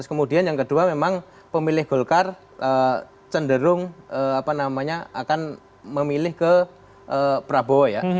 kemudian yang kedua memang pemilih golkar cenderung akan memilih ke prabowo ya